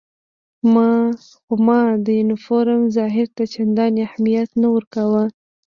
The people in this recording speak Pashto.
خو ما د یونیفورم ظاهر ته چندانې اهمیت نه ورکاوه.